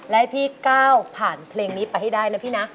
และให้พี่ก้าวผ่านเพลงนี้ไปให้ได้นะพี่นะ